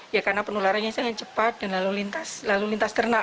ya karena penularannya sangat cepat dan lalu lintas ternak